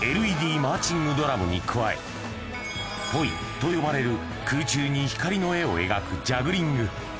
マーチングドラムに加え、ポイと呼ばれる空中に光の絵を描くジャグリング。